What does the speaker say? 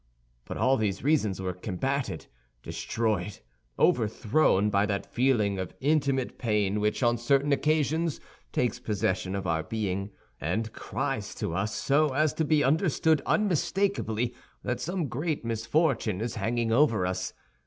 But all these reasons were combated, destroyed, overthrown, by that feeling of intimate pain which, on certain occasions, takes possession of our being, and cries to us so as to be understood unmistakably that some great misfortune is hanging over us.